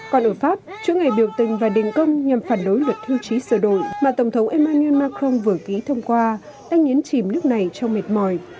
còn ở pháp trước ngày biểu tình và đình công nhằm phản đối luật thư trí sửa đổi mà tổng thống emmanuel macron vừa ký thông qua đang nhến chìm nước này trong mệt mỏi